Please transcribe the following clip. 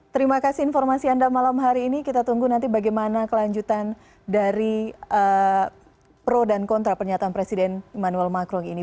terima kasih informasi anda malam hari ini kita tunggu nanti bagaimana kelanjutan dari pro dan kontra pernyataan presiden emmanuel macron ini